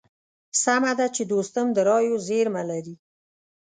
سمه ده چې دوستم د رايو زېرمه لري.